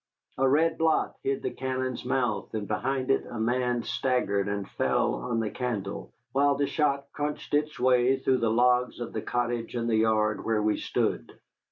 A red blot hid the cannon's mouth, and behind it a man staggered and fell on the candle, while the shot crunched its way through the logs of the cottage in the yard where we stood.